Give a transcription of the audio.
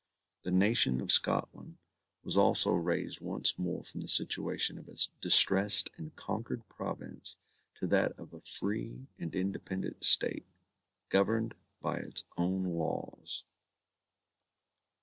The nation of Scotland was also raised once more from the situation of a distressed and conquered province to that of a free and independent state, governed by its own laws.